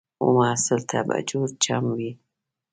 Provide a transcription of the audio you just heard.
و محصل ته به جوړ چم وي